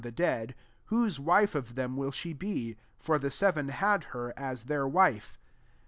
the dead, whose wife of them win she be ? for the seven had her M their wife."